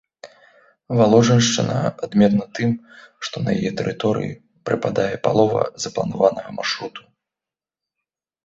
Валожыншчына адметна тым, што на яе тэрыторыю прыпадае палова запланаванага маршруту.